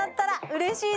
うれしい！